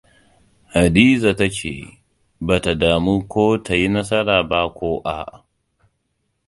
Hadiza ta ce ba ta damu ko ta yi nasara ba ko a'a.